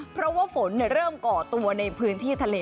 เพราะว่าฝนเริ่มก่อตัวในพื้นที่ทะเล